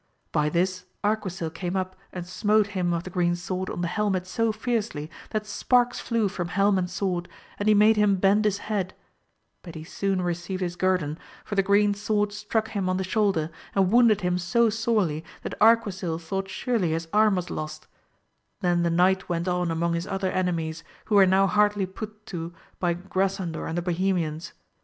By this Arquisil came up and smote him of the green sword on the helmet so fiercely that sparks flew from helm and sword, and he made him bend his head, but he soon received his guerdon, for the green sword struck him on the shoulder, and wounded him so sorely that Arquisil thought sUrely his arm was lost; then the knight went on among his other enemies, who were now hardly put to by Grasandor and the Bohemians.